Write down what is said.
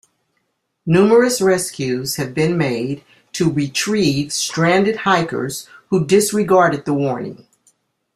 Numerous rescues have been made to retrieve stranded hikers who disregarded the warning.